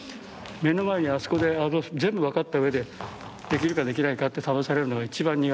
目の前にあそこで全部分かった上でできるかできないかって試されるのが一番苦手で。